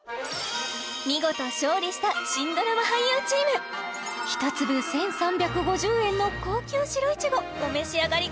見事勝利した新ドラマ俳優チーム１粒１３５０円の高級白いちごお召し上がり